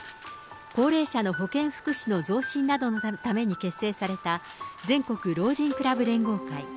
高齢者の保健福祉の増進などのために結成された全国老人クラブ連合会。